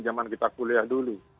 zaman kita kuliah dulu